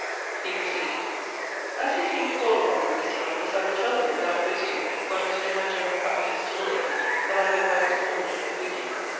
He proceeded. As you seem to call upon me, Mr. Lovelace, I will tell you (without boasting of it) what has been my general practice, till lately, that I hope I have reformed it a good deal.